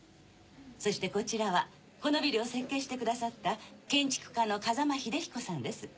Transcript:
そしてこちらはこのビルを設計してくださった建築家の風間英彦さんです。